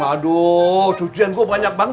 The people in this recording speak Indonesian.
aduh cucian gua banyak banget